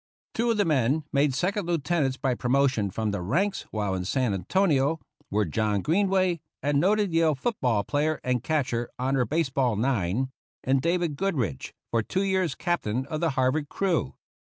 Two of the men made Second Lieutenants by promotion from the ranks while in San Antonio were John Greenway, a noted Yale foot ball player and catcher on her base ball nine, and David Goodrich, for two years captain of the Harvard crew.